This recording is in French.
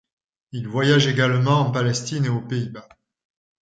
Il voyage également en Palestine et aux Pays-Bas.